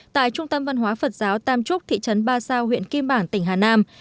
tại trung tâm văn hóa phật giáo tam trúc thị trấn ba sao huyện kim bảng tỉnh hà nam